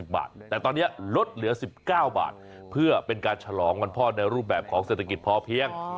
แต่ตอนนี้ลดเหลือ๑๙บาทเพื่อเป็นการฉลองวันพ่อในรูปแบบของเศรษฐกิจพอเพียง